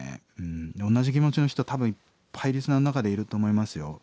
おんなじ気持ちの人多分いっぱいリスナーの中でいると思いますよ。